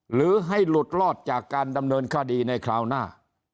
หรือให้หลุดรอดจากการดำเนินคดีในคราวหน้า